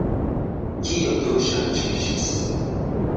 Kio do ŝanĝiĝis?